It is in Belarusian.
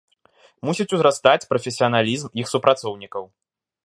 Мусіць узрастаць прафесіяналізм іх супрацоўнікаў.